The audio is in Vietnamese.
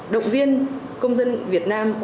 động viên công dân việt nam ổn định